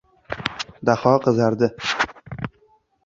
Daho qizardi.